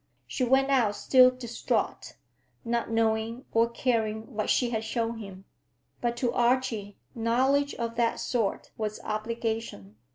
She went out still distraught, not knowing or caring what she had shown him. But to Archie knowledge of that sort was obligation.